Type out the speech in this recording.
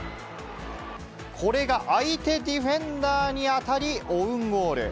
これが相手ディフェンダーに当たり、オウンゴール。